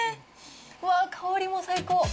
うわー、香りも最高！